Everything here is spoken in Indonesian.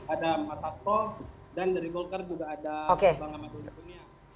ada mas astro dan dari volker juga ada bang amadulidunia